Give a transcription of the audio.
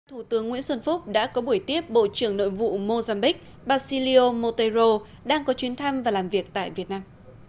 thủ tướng nguyễn xuân phúc đã có buổi tiếp bộ trưởng nội vụ mozambiq bacilio motero đang có chuyến thăm và làm việc tại việt nam